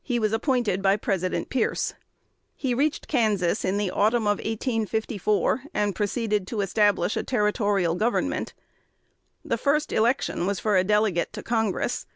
He was appointed by President Pierce. He reached Kansas in the autumn of 1854, and proceeded to establish a Territorial Government. The first election was for a delegate to Congress.